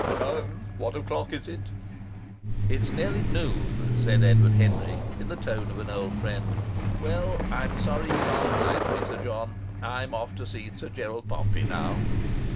Chung, what o'clock is it?" "It is nearly noon," said Edward Henry, in the tone of an old friend. "Well, I'm sorry you can't oblige me, Sir John. I'm off to see Sir Gerald Pompey now."